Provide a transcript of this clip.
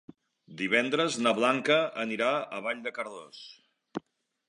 Divendres na Blanca anirà a Vall de Cardós.